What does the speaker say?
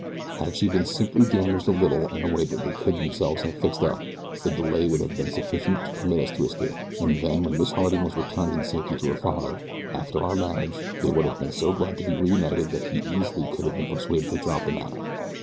Had she been simply damaged a little, in a way that they could themselves have fixed up, the delay would have been sufficient to permit us to escape, and then, when Miss Harding was returned in safety to her father, after our marriage, they would have been so glad to be reunited that he easily could have been persuaded to drop the matter.